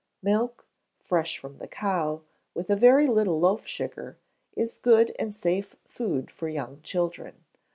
Milk, fresh from the cow, with a very little loaf sugar, is good and safe food for young children.